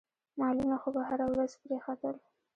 مالونه خو به هره ورځ پرې ختل.